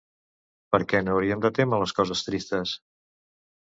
Per què no hauríem de témer les coses tristes?